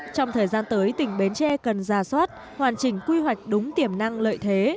trong thời gian tới tỉnh bến tre cần ra soát hoàn chỉnh quy hoạch đúng tiềm năng lợi thế